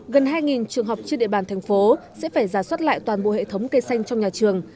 gần hai trường học trên địa bàn thành phố sẽ phải giả soát lại toàn bộ hệ thống cây xanh trong nhà trường